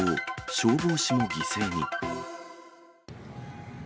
消防士も犠牲に。